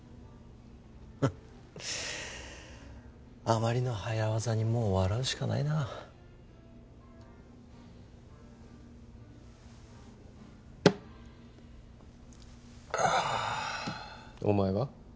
フッあまりの早業にもう笑うしかないなあお前は？